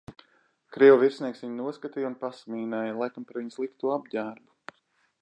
Krievu virsnieks viņu noskatīja un pasmīnēja, laikam par viņa slikto apģērbu.